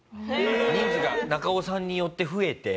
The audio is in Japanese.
人数が中尾さんによって増えて？